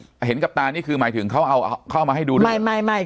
ถ้าเห็นกับตานี่คือหมายถึงเขาเอาเข้ามาให้ดูหรือไม่ไม่